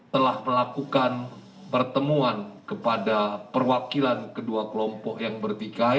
telah melakukan pertemuan kepada perwakilan kedua kelompok yang bertikai